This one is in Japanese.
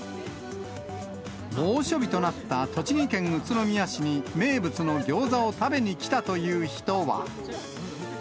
猛暑日となった栃木県宇都宮市に名物のギョーザを食べに来たという人は。